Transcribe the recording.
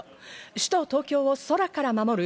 首都・東京を空から守る